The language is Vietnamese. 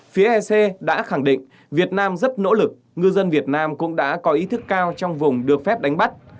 phía ec đã khẳng định việt nam rất nỗ lực ngư dân việt nam cũng đã có ý thức cao trong vùng được phép đánh bắt